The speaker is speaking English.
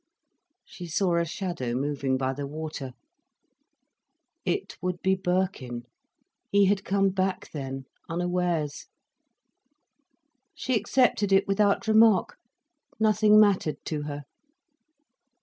She saw a shadow moving by the water. It would be Birkin. He had come back then, unawares. She accepted it without remark, nothing mattered to her.